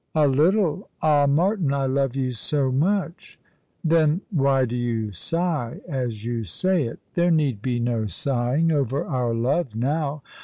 " A little. Ah, Martin, I love you so much." " Then why do you sigh as you say it ? There need be no sighing over our love now.